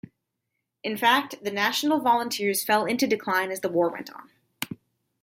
In fact, the National Volunteers fell into decline as the war went on.